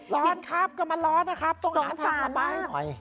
ร้อนครับก็มันร้อนนะครับต้องหาทางระบายหน่อย